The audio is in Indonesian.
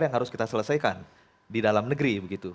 yang harus kita selesaikan di dalam negeri begitu